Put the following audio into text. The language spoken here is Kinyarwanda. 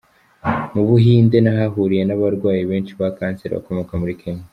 Mu Buhinde nahahuriye n’abarwayi benshi ba kanseri bakomoka muri Kenya.